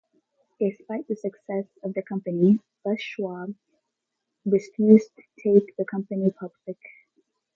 Despite the success of the company, Les Schwab refused to take the company public.